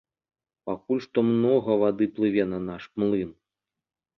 Пакуль што многа вады плыве на наш млын.